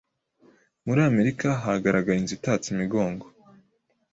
Muri Amerika hagaragaye inzu itatse imigongo,